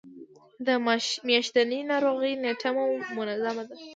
د میاشتنۍ ناروغۍ نیټه مو منظمه ده؟